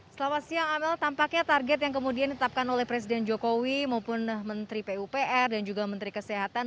selamat siang amel tampaknya target yang kemudian ditetapkan oleh presiden jokowi maupun menteri pupr dan juga menteri kesehatan